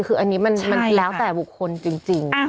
คืออันนี้มันแล้วแต่บุคคลจริง